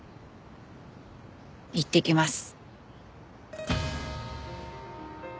いってきます。